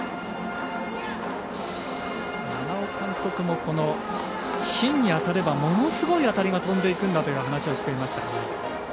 長尾監督も芯に当たればものすごい当たりが飛んでいくんだという話をしていました。